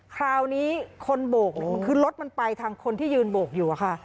คราวนี้คนโบกเนี่ยคือรถมันไปทางคนที่ยืนโบกอยู่อะค่ะ